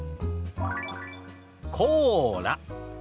「コーラ」。